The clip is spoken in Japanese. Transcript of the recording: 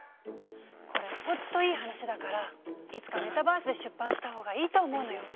これほんといい話だからいつかメタバースで出版した方がいいと思うのよ。